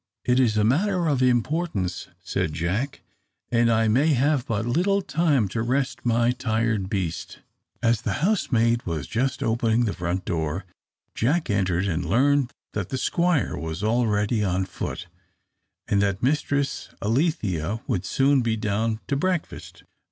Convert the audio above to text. "It is a matter of importance," said Jack; "and I may have but little time to rest my tired beast." As the housemaid was just opening the front door, Jack entered, and learned that the Squire was already on foot, and that Mistress Alethea would soon be down to breakfast.